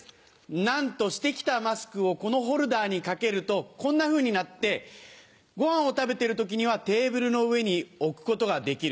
なんとして来たマスクをこのホルダーに掛けるとこんなふうになってごはんを食べてる時にはテーブルの上に置くことができる。